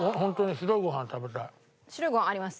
白いご飯あります。